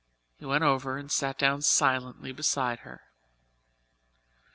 He went over and sat down silently beside her.